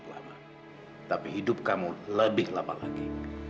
lebih lama lagi